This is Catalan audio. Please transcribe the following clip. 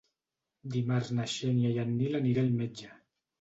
Dimarts na Xènia i en Nil aniré al metge.